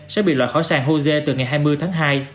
sẽ bị loại khỏi sàn hosea từ ngày hai mươi tháng hai